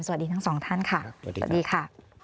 สวัสดีทั้งสองท่านค่ะสวัสดีค่ะ